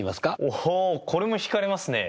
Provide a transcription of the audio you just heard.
おおこれもひかれますね。